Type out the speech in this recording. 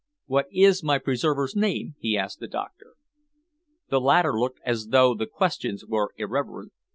"What is my preserver's name?" he asked the doctor. The latter looked as though the questions were irreverent.